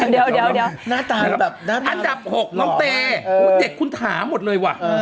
เดี๋ยวหน้าตาอันดับ๖น้องเตเด็กคุณถามหมดเลยว่ะ